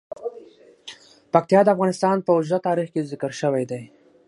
پکتیا د افغانستان په اوږده تاریخ کې ذکر شوی دی.